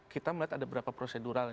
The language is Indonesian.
kita melihat ada beberapa prosedural